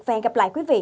và hẹn gặp lại quý vị